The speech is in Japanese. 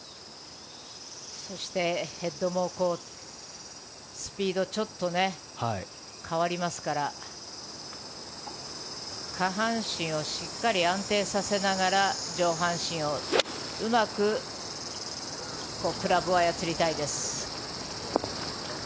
そしてヘッドもスピードちょっとね、変わりますから下半身をしっかり安定させながら上半身をうまくクラブを操りたいです。